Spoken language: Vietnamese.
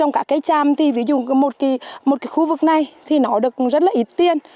chăm thì ví dụ một khu vực này thì nó được rất là ít tiền